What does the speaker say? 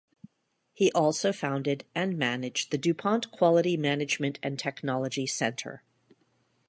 He also founded and managed the DuPont Quality Management and Technology Center.